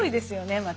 また。